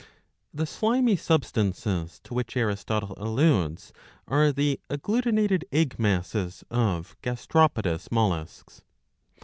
The slimy substances to which Aristotle alludes are the agglutinated egg masses of Gasteropodous molluscs.